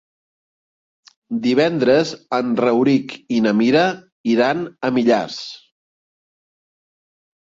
Divendres en Rauric i na Mira iran a Millars.